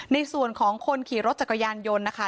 ในส่วนของคนขี่รถจักรยานยนต์นะคะ